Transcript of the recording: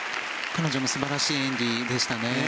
彼女も素晴らしい演技でしたね。